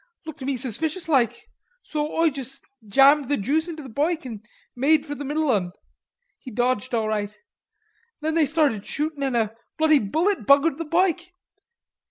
lookter me suspiciouslike, so Oi jus' jammed the juice into the boike and made for the middle 'un. He dodged all right. Then they started shootin' and a bloody bullet buggered the boike....